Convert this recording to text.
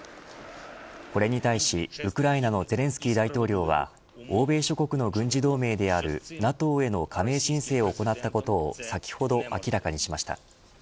これに対しウクライナのゼレンスキー大統領は欧米諸国の軍事同盟であるＮＡＴＯへの加盟申請を行ったことを先ほど明らかにしました。